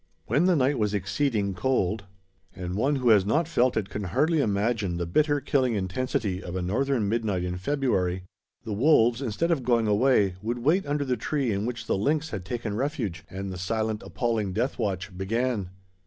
"] When the night was exceeding cold and one who has not felt it can hardly imagine the bitter, killing intensity of a northern midnight in February the wolves, instead of going away, would wait under the tree in which the lynx had taken refuge, and the silent, appalling death watch began.